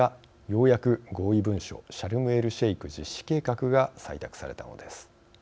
ようやく合意文書シャルムエルシェイク実施計画が採択されたのです。